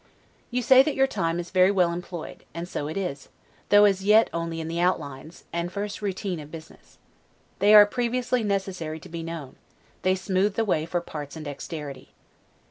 You say that your time is very well employed; and so it is, though as yet only in the outlines, and first ROUTINE of business. They are previously necessary to be known; they smooth the way for parts and dexterity.